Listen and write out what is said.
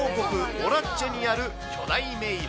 オラッチェにある巨大迷路。